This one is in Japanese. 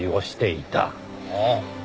ああ。